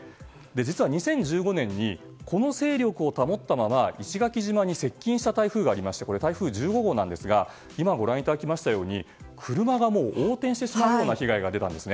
実は２０１５年にこの勢力を保ったまま石垣島に接近した台風がありましてこれ、台風１５号なんですが今、ご覧いただいたように車が横転してしまうような被害が出たんです。